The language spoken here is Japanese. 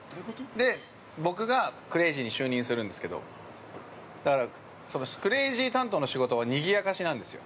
で、僕がクレイジーに就任するんですけど、クレイジー担当の仕事はにぎやかしなんですよ。